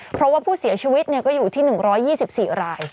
เพราะว่าผู้เสียชีวิตก็อยู่ที่๑๒๔ราย